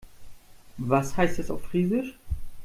Was heißt das auf Friesisch?